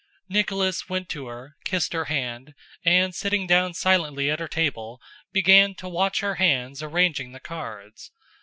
Nicholas went to her, kissed her hand, and sitting down silently at her table began to watch her hands arranging the cards.